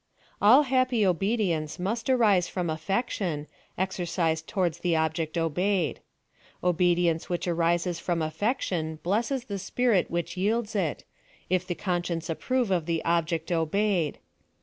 All happy obedience must arise from affection, exercised towards the object obeyed. Obedience which arises from affection blesses the spirit which yields it, if the conscience approve of the object obeyed.